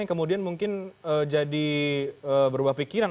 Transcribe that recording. yang kemudian mungkin jadi berubah pikiran